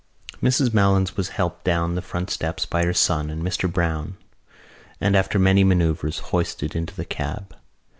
Mrs Malins was helped down the front steps by her son and Mr Browne and, after many manœuvres, hoisted into the cab.